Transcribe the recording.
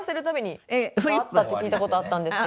フリップ。があったって聞いたことあったんですけど。